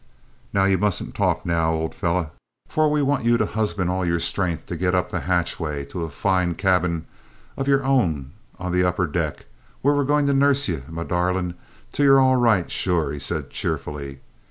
"Now you mustn't talk now, old fellow, for we want you to husband all your strength to get up the hatchway to a foine cabin of yer own on the upper deck, where we're goin' to nurse ye, me darlint, till ye're all roight, sure!" he said cheerfully.